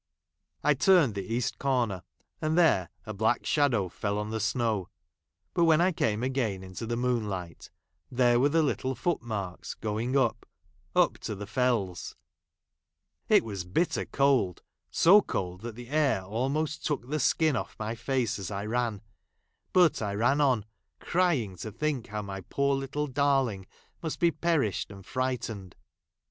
I j turned the east corner, and there a black V shadow fell on the snow ; but when I came jj again into the moonlight, there were the , little footmarks going up — up to the Fells. ; It wCvS bitter cold ; so cold that the air almost ; took the skin J)ff my face as I ran, biit I ran ; on, crying to think how my poor little darling must be perished and frightened.